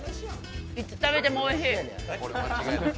いつ食べてもおいしいです。